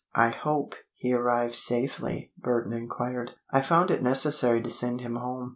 "I hope he arrived safely?" Burton inquired. "I found it necessary to send him home."